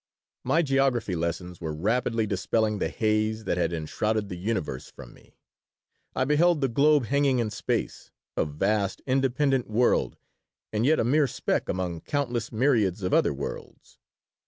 My geography lessons were rapidly dispelling the haze that had enshrouded the universe from me. I beheld the globe hanging in space, a vast independent world and yet a mere speck among countless myriads of other worlds.